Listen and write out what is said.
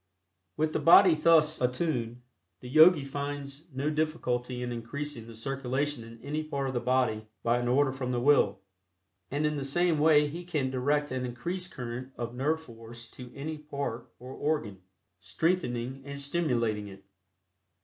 With the body thus attuned, the Yogi finds no difficulty in increasing the circulation in any part of the body by an order from the will, and in the same way he can direct an increased current of nerve force to any part or organ, strengthening and stimulating it.